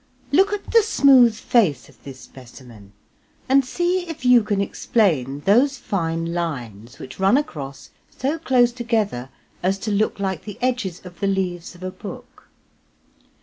Look at the smooth face of this specimen and see if you can explain those fine lines which run across so close together as to look like the edges of the leaves of a book.